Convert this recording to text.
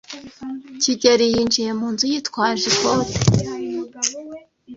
kigeli yinjiye mu nzu, yitwaje ikote.